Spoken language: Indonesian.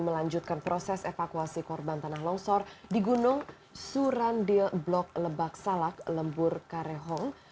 melanjutkan proses evakuasi korban tanah longsor di gunung surandil blok lebak salak lembur karehong